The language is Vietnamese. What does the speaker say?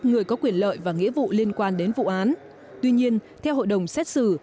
người có quyền lợi và nghĩa vụ liên quan đến vụ án tuy nhiên theo hội đồng xét xử